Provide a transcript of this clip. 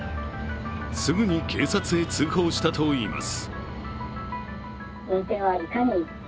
すぐに警察へ通報したといいます。